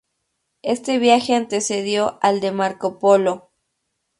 Este viaje antecedió al de Marco Polo.